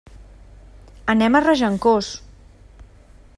Anem a Regencós.